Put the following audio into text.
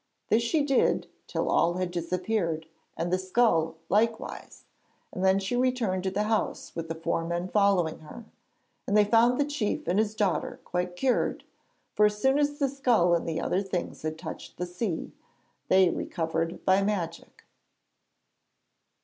This she did till all had disappeared and the skull likewise, and then she returned to the house with the four men following her, and they found the chief and his daughter quite cured, for as soon as the skull and the other things had touched the sea, they recovered by magic.